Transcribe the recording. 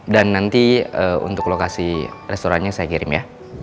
dan nanti untuk lokasi restorannya saya kirim ya